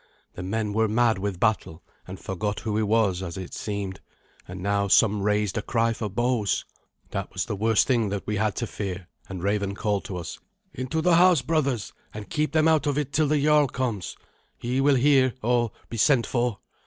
The men were mad with battle, and forgot who he was, as it seemed. And now some raised a cry for bows. That was the worst thing that we had to fear, and Raven called to us, "Into the house, brothers, and keep them out of it till the jarl comes. He will hear, or be sent for."